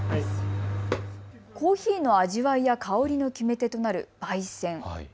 コーヒーの味わいや香りの決め手となるばい煎。